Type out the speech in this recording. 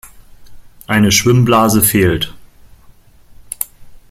Eine Schwimmblase fehlt.